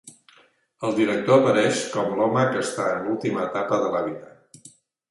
El director apareix com l'home que està en l'última etapa de la vida.